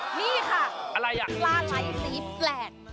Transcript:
นี่ค่ะปลาไหล่สีแปลก